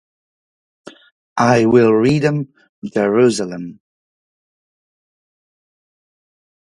I will redeem Jerusalem.